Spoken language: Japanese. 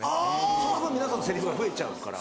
その分皆さんのセリフが増えちゃうから。